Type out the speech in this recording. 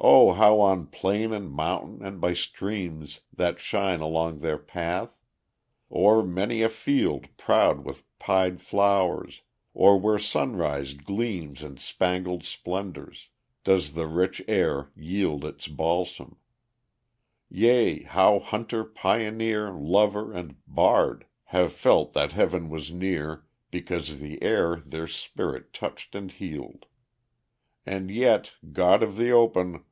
Oh, how on plain and mountain, and by streams That shine along their path; o'er many a field Proud with pied flowers, or where sunrise gleams In spangled splendors, does the rich air yield Its balsam; yea, how hunter, pioneer, Lover, and bard have felt that heaven was near Because the air their spirit touched and healed! And yet God of the open!